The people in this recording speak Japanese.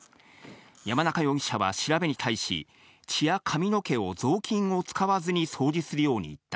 山中容疑者は調べに対し、血や髪の毛を雑巾を使わずに掃除するように言った。